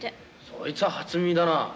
そいつは初耳だなあ。